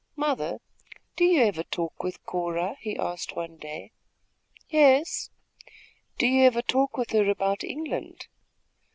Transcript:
"Mother, do you ever talk with Cora?" he asked one day. "Yes." "Do you ever talk with her about England?"